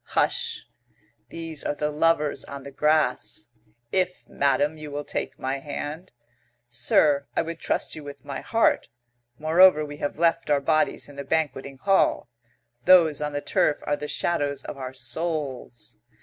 Hush! These are the lovers on the grass. "If, madam, you will take my hand " "Sir, I would trust you with my heart. Moreover, we have left our bodies in the banqueting hall. Those on the turf are the shadows of our souls."